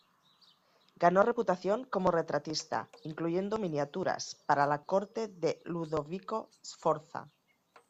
Ganó reputación como retratista, incluyendo miniaturas, para la corte de Ludovico Sforza.